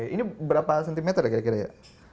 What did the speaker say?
ini berapa cm ya kira kira ya